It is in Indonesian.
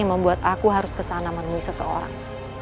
yang membuat aku harus kesana menemui seseorang